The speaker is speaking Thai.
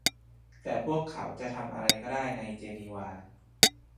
แต่พวกเขาจะทำอะไรได้ในเจนีวา